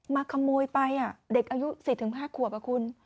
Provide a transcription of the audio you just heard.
มาขโมยไปอ่ะเด็กอายุสี่ถึงห้าขวบอ่ะคุณ